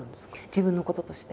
自分のこととして？